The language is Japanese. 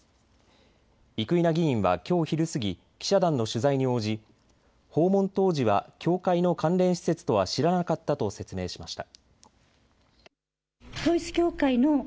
生稲議員はきょう昼過ぎ記者団の取材に応じ訪問当時は教会の関連施設とは知らなかったと説明しました。